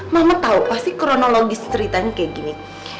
mama tahu pasti kronologis ceritanya kayak gini